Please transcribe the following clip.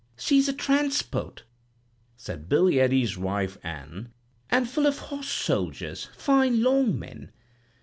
"'She's a transport,' said Billy Ede's wife, Ann, 'and full of horse soldiers, fine long men.